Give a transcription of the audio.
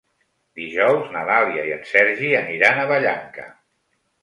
Dijous na Dàlia i en Sergi aniran a Vallanca.